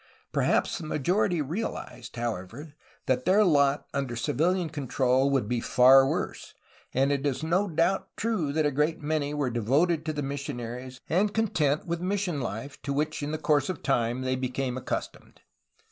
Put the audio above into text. Perhaps the majority realized, however, that their lot under civiHan control would be far worse, and it is no doubt true that a great many were devoted to the missionaries and content with mission Uf e, to which in course of time they became accustomed.